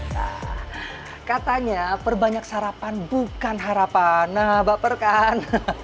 nah katanya perbanyak sarapan bukan harapan nah baper kan